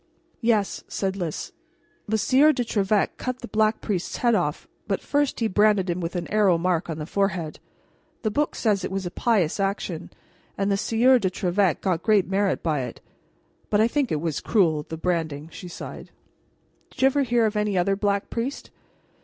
"Yes," said Lys. "The Sieur de Trevec cut the Black Priest's head off, but first he branded him with an arrow mark on the forehead. The book says it was a pious action, and the Sieur de Trevec got great merit by it. But I think it was cruel, the branding," she sighed. "Did you ever hear of any other Black Priest?"